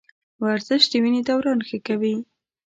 ورزش د وینې دوران ښه کوي.